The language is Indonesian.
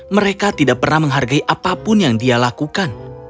mereka tidak pernah menghargai apapun yang dia lakukan